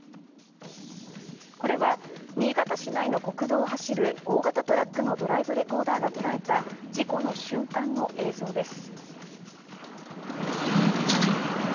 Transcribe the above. これは新潟市内の国道を走る大型トラックのドライブレコーダーがとらえた事故の瞬間の映像です。